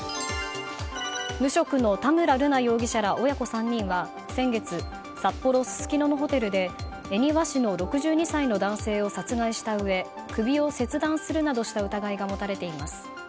無職の田村瑠奈容疑者ら親子３人は先月、札幌・すすきののホテルで恵庭市の６２歳の男性を殺害したうえ首を切断するなどした疑いが持たれています。